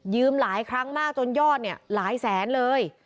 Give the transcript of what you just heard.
หลายครั้งมากจนยอดเนี่ยหลายแสนเลย